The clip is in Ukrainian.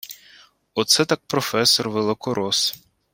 Оце так професор-великорос!